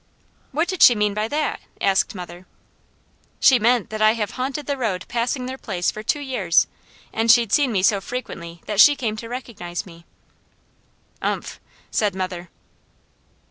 '" "What did she mean by that?" asked mother. "She meant that I have haunted the road passing their place for two years, and she'd seen me so frequently that she came to recognize me." "Umph!" said mother.